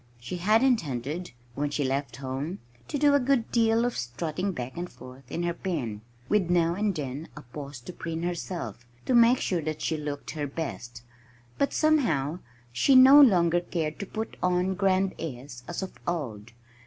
She had intended, when she left home, to do a good deal of strutting back and forth in her pen, with now and then a pause to preen herself, to make sure that she looked her best. But somehow she no longer cared to put on grand airs, as of old.